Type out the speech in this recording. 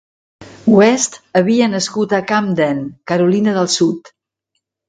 West havia nascut a Camden, Carolina del Sud.